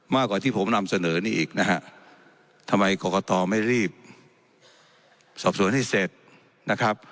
มากกว่าที่ผมนำเสนอนี่อีกนะฮะทำไมกรกตไม่รีบสอบสวนให้เสร็จนะครับ